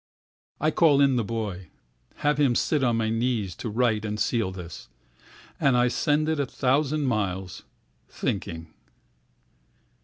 I call in the boy, Have him sit on his knees to write and seal this, And I send it a thousand miles, thinking.